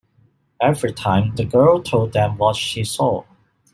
Every time, the girl told them what she saw.